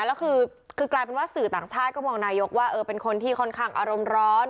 แล้วคือกลายเป็นว่าสื่อต่างชาติก็มองนายกว่าเป็นคนที่ค่อนข้างอารมณ์ร้อน